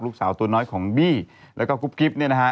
ลูกสาวตัวน้อยของบี้แล้วก็กุ๊บกิ๊บเนี่ยนะฮะ